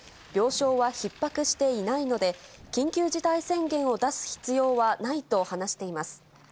病床はひっ迫していないので、緊急事態宣言を出す必要はないと話しています。